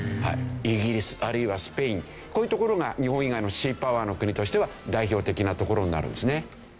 イギリスあるいはスペインこういう所が日本以外のシーパワーの国としては代表的な所になるんですね。